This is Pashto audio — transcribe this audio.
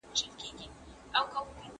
د توحيد پيژندل بې له پوهې ممکن نه دي.